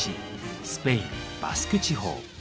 スペイン・バスク地方。